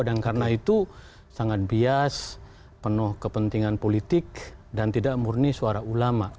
dan karena itu sangat bias penuh kepentingan politik dan tidak murni suara ulama